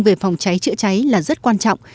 về phòng cháy chữa cháy là rất quan trọng